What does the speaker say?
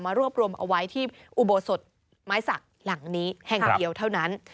รวบรวมเอาไว้ที่อุโบสถไม้สักหลังนี้แห่งเดียวเท่านั้น